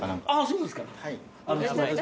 そうですか。